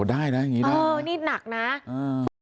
ได้นะอย่างงี้ได้นะอ๋อนี่หนักนะอ่า